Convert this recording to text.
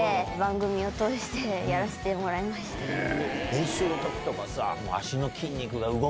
練習の時とかさ。